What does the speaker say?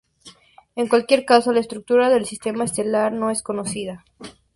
En cualquier caso, la estructura del sistema estelar no es conocida.